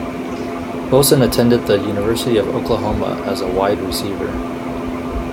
Wilson attended the University of Oklahoma as a wide receiver.